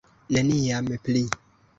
Neniam pli.